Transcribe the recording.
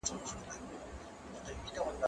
زه له سهاره زدکړه کوم!.